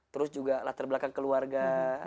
terus juga latar belakang keluarga